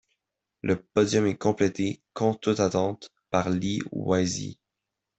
Le podium est complété, contre toute attente, par Lee Wai-sze.